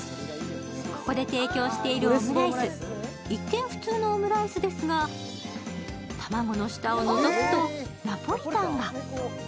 ここで提供しているオムライス、一見普通のオムライスですが、卵の下をのぞくと、ナポリタンが。